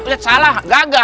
udah salah gagah